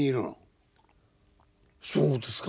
そうですか？